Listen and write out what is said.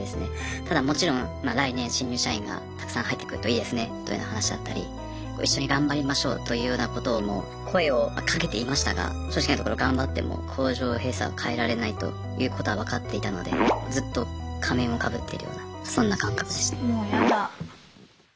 ただもちろん「来年新入社員がたくさん入ってくるといいですね」というような話だったり「一緒に頑張りましょう」というようなことを声をかけていましたが正直なところ頑張っても工場閉鎖は変えられないということは分かっていたのでずっと仮面をかぶってるようなそんな感覚でした。